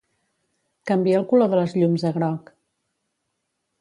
Canvia el color de les llums a groc.